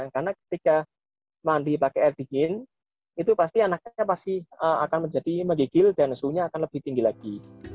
karena ketika mandi pakai air dingin itu pasti anaknya akan menjadi megigil dan suhunya akan lebih tinggi lagi